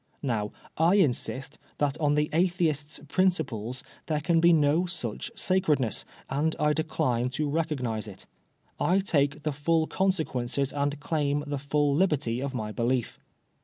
Now I insist that on the Atheist^s principles there can be no such sacredness. and I decline to recognise it. I take the full consequences and claim the full liberty of my belief.